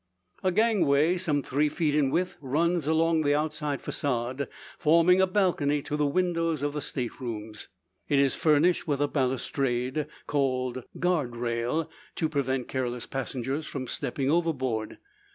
A gangway, some three feet in width, runs along the outside facade, forming a balcony to the windows of the state rooms. It is furnished with a balustrade, called "guard rail," to prevent careless passengers from stepping overboard.